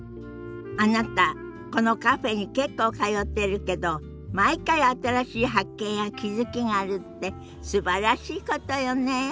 あなたこのカフェに結構通ってるけど毎回新しい発見や気付きがあるってすばらしいことよね。